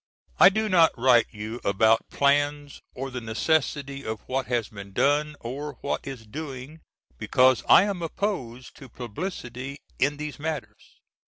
I do not write you about plans, or the necessity of what has been done or what is doing because I am opposed to publicity in these matters.